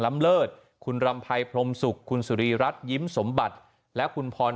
เลิศคุณรำภัยพรมศุกร์คุณสุรีรัฐยิ้มสมบัติและคุณพร